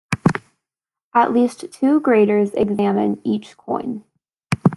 At least two graders examine each coin.